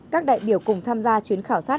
các đại biểu cùng tham gia chuyến khảo sát